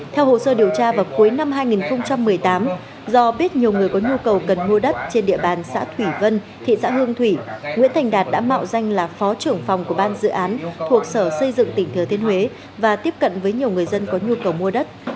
theo hồ sơ điều tra vào cuối năm hai nghìn một mươi tám do biết nhiều người có nhu cầu cần mua đất trên địa bàn xã thủy vân thị xã hương thủy nguyễn thành đạt đã mạo danh là phó trưởng phòng của ban dự án thuộc sở xây dựng tỉnh thừa thiên huế và tiếp cận với nhiều người dân có nhu cầu mua đất